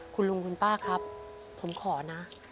คุณลุงคุณป้าครับผมขอนะ